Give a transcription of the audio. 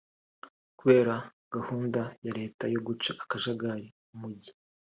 Kubera gahunda ya leta yo guca akajagari mu Mujyi